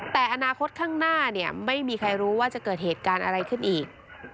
แต่อนาคตข้างหน้าเนี่ยไม่มีใครรู้ว่าจะเกิดเหตุการณ์อะไรขึ้นอีก